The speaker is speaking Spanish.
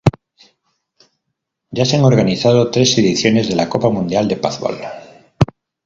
Ya se han organizado tres ediciones de la Copa Mundial de Padbol.